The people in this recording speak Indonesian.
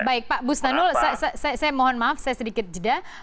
baik pak bustanul saya mohon maaf saya sedikit jeda